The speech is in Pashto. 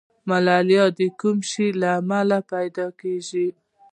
ملاریا د کوم شي له امله پیدا کیږي